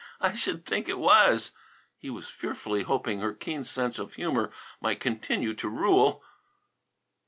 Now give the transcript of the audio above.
I should think it was." He was fearfully hoping her keen sense of humour might continue to rule.